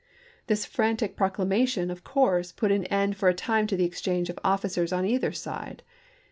This frantic proclamation, of course, put an end for a time to the exchange of officers on either side.